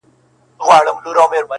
خو د کلي دننه درد لا هم ژوندی دی,